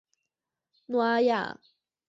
诺阿亚。